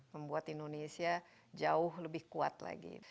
membuat indonesia jauh lebih kuat lagi